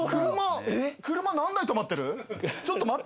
車、何台止まってる。